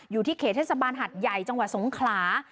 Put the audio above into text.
อยู่ที่เขตเทศบาลหัดใหญ่จังหวัดสงขลา